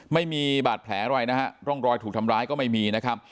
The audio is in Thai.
ไม่มีบาดแผลอะไรนะฮะร่องรอยถูกทำร้ายก็ไม่มีนะครับ